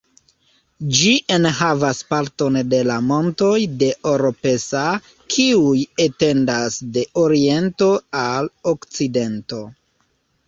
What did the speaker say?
Ĝi enhavas parton de la montoj de Oropesa kiuj etendas de oriento al okcidento.